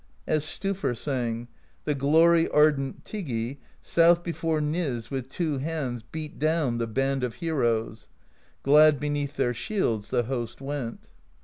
As Stufr sang: The glory ardent Tyggi South before Niz with two hands Beat down the band of heroes : Glad beneath their shields the host went.